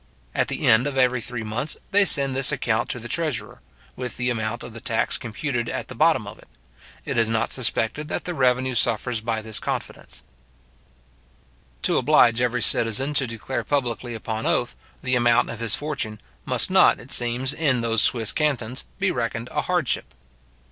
At the end of every three months, they send this account to the treasurer, with the amount of the tax computed at the bottom of it. It is not suspected that the revenue suffers by this confidence. {Memoires concernant les Droits, tom. i p. 163, 167,171.} To oblige every citizen to declare publicly upon oath, the amount of his fortune, must not, it seems, in those Swiss cantons, be reckoned a hardship.